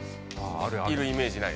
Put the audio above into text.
いるイメージないですか？